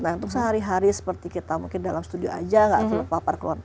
nah untuk sehari hari seperti kita mungkin dalam studio aja nggak terpapar keluar